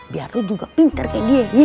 biar lo juga pinter kayak dia